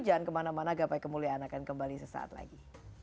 jangan kemana mana gapai kemuliaan akan kembali sesaat lagi